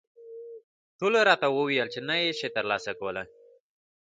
ټولو راته وویل چې نه یې شې ترلاسه کولای.